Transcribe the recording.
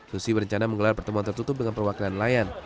susi berencana menggelar pertemuan tertutup dengan perwakilan nelayan